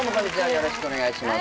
よろしくお願いします